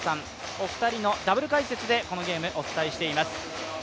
お二人のダブル解説でこのゲーム、お伝えしています。